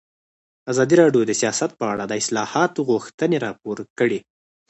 ازادي راډیو د سیاست په اړه د اصلاحاتو غوښتنې راپور کړې.